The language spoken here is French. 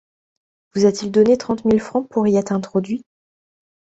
Vous a-t-il donné trente mille francs pour y être introduit?